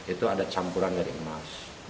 itu ada campuran dari emas